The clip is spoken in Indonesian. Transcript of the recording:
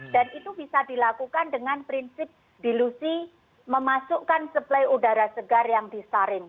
dan itu bisa dilakukan dengan prinsip dilusi memasukkan suplai udara segar yang disaring